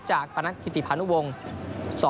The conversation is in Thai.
จากประนักฐิติพันธุวงศ์